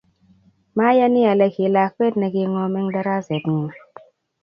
mayani ole ki lakwet ne king'om eng daraset ng'uung